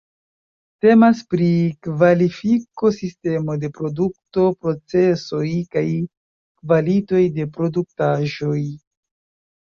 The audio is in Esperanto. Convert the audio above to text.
Temas pri kvalifiko-sistemo de produkto-procesoj kaj kvalitoj de produktaĵoj.